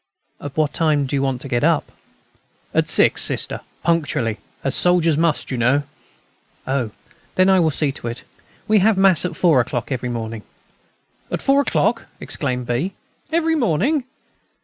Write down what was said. "At what time do you want to get up?" "At six, Sister, punctually, as soldiers must, you know." "Oh! then I will see to it. We have Mass at four o'clock every morning." "At four o'clock!" exclaimed B. "Every morning!